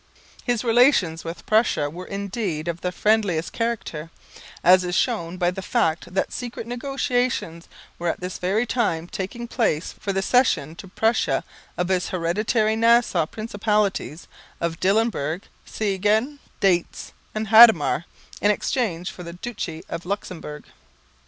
His relations with Prussia were indeed of the friendliest character, as is shown by the fact that secret negotiations were at this very time taking place for the cession to Prussia of his hereditary Nassau principalities of Dillenburg, Siegen, Dietz and Hadamar in exchange for the Duchy of Luxemburg.